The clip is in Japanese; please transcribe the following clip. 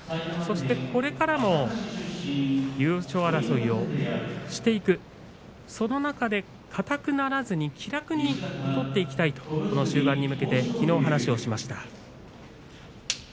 そして、これからも優勝争いをしていくその中で硬くならずに気楽に取っていきたいとこの終盤に向けてきのう、話をしました。